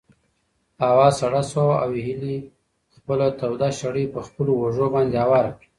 هوا سړه شوه او هیلې خپله توده شړۍ په خپلو اوږو باندې هواره کړه.